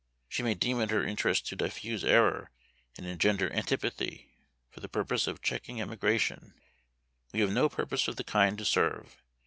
She may deem it her interest to diffuse error, and engender antipathy, for the purpose of checking emigration: we have no purpose of the kind to serve.